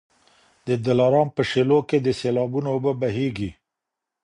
د دلارام په شېلو کي د سېلابونو اوبه بهیږي